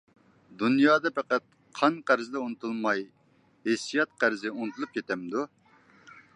دۇنيادا پەقەت قان-قەرزلا ئۇنتۇلماي، ھېسسىيات قەرزى ئۇنتۇلۇپ كېتەمدۇ؟